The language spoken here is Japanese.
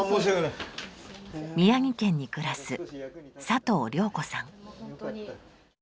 宮城県に暮らす佐藤良子さん。